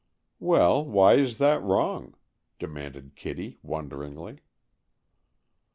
"Well, why is that wrong?" demanded Kitty wonderingly.